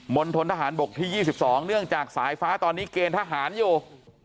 ณฑนทหารบกที่๒๒เนื่องจากสายฟ้าตอนนี้เกณฑ์ทหารอยู่